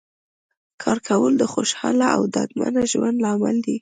کار کول د خوشحاله او ډاډمن ژوند لامل دی